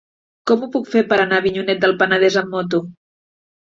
Com ho puc fer per anar a Avinyonet del Penedès amb moto?